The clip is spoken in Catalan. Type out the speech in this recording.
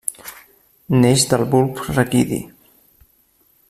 Neix del bulb raquidi.